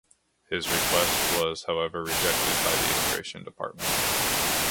His request was however rejected by the Immigration Department.